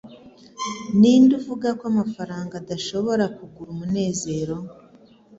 Ninde uvuga ko amafaranga adashobora kugura umunezero